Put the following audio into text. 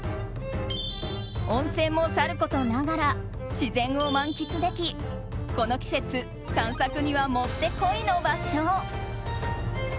温泉もさることながら自然を満喫できこの季節散策にはもってこいの場所。